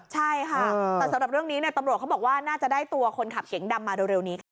ใช่ค่ะแต่สำหรับเรื่องนี้ตำรวจเขาบอกว่าน่าจะได้ตัวคนขับเก๋งดำมาเร็วนี้ค่ะ